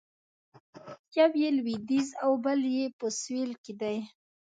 یو یې لویدیځ او بل یې په سویل کې دی.